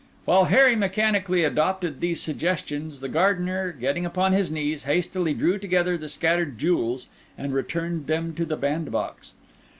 While Harry mechanically adopted these suggestions, the gardener, getting upon his knees, hastily drew together the scattered jewels and returned them to the bandbox.